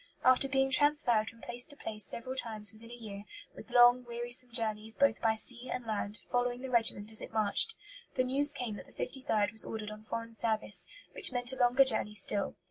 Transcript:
After being transferred from place to place several times within a year, with long, wearisome journeys both by sea and land, following the regiment as it marched, the news came that the 53rd was ordered on foreign service, which meant a longer journey still.